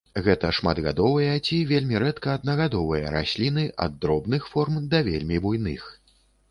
Гэта шматгадовыя ці вельмі рэдка аднагадовыя расліны ад дробных форм да вельмі буйных.